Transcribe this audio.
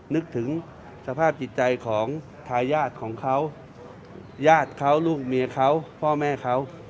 นึกถึงสภาพจิตใจของทายาทของเขาญาติเขาลูกเมียเขาพ่อแม่เขา